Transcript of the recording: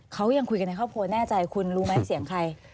เขายังคุยกันในครอบครัวแน่ใจคุณรู้ไหมเสียงใคร